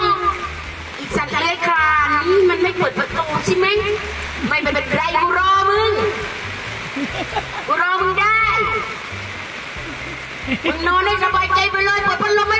อีสันเลขานี้มันไม่เปิดประตูสิมั้ย